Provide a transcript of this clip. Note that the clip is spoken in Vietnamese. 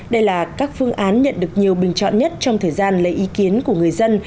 đây là các phương án nhận được nhiều bình chọn nhất trong thời gian lấy ý kiến của người dân